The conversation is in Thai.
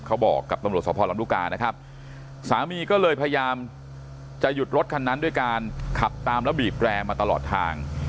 เขาบอกกับตำรวจสภลำลูกกานะครับสามีก็เลยพยายามจะหยุดรถคันนั้นด้วยการขับตามแล้วบีบแรมาตลอดทาง